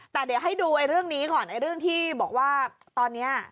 แต่เดี๋ยวให้ดูเรื่องนี้ก่อนเรื่องที่บอกว่าตอนนี้